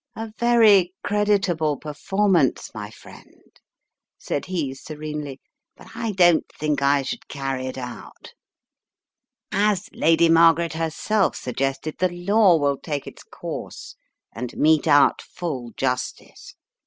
"A very creditable performance, my friend," said he, serenely, "but I don't think I should carry it out. 280 The Riddle of the Purple Emperor As Lady Margaret herself suggested the law will take its course and mete out full justice.